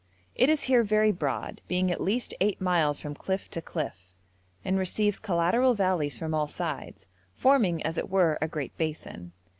It is here very broad, being at least eight miles from cliff to cliff, and receives collateral valleys from all sides, forming, as it were, a great basin.